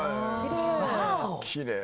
きれい。